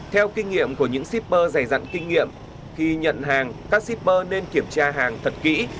theo kinh nghiệm của những shipper dày dặn kinh nghiệm khi nhận hàng các shipper nên kiểm tra hàng thật kỹ